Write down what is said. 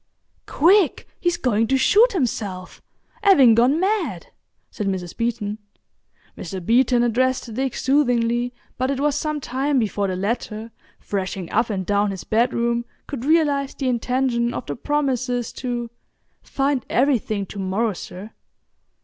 "Quick, he's going to shoot himself—'avin' gone mad!" said Mrs. Beeton. Mr. Beeton addressed Dick soothingly, but it was some time before the latter, threshing up and down his bedroom, could realise the intention of the promises to "find everything to morrow, sir."